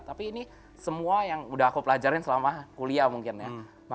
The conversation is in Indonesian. tapi ini semua yang udah aku pelajarin selama kuliah mungkin ya